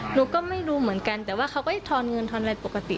หนูก็ไม่รู้เหมือนกันแต่ว่าเขาก็ทอนเงินทอนอะไรปกติ